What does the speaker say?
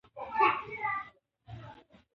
داکتر احمد الله د وژل کیدو.